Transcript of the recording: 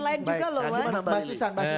tapi masih mbak susan